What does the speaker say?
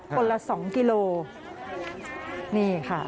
คนละ๒กิโลเมตร